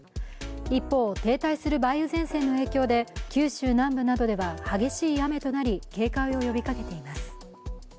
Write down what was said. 一方、停滞する梅雨前線の影響で九州南部などでは激しい雨となり警戒を呼びかけています。